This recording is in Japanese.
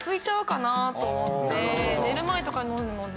寝る前とかに飲むので。